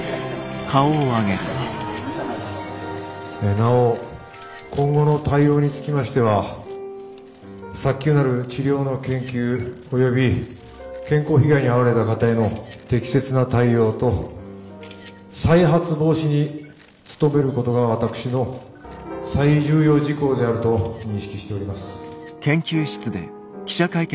なお今後の対応につきましては早急なる治療の研究および健康被害に遭われた方への適切な対応と再発防止に努めることが私の最重要事項であると認識しております。